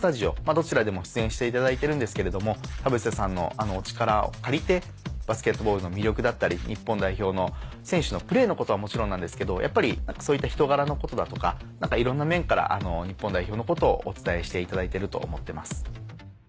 どちらでも出演していただいてるんですけれども田臥さんのお力を借りてバスケットボールの魅力だったり日本代表の選手のプレーのことはもちろんなんですけどやっぱりそういった人柄のことだとかいろんな面から日本代表のことをお伝えしていただいてると思ってます。